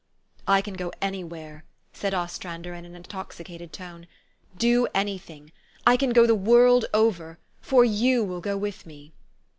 "I can go anywhere," said Ostrander in an in toxicated tone, " do any thing. I can go the world over ; for you will go with me."